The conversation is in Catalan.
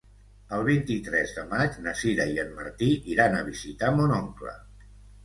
El vint-i-tres de maig na Sira i en Martí iran a visitar mon oncle.